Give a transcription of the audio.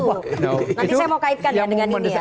nanti saya mau kaitkan ya dengan ini ya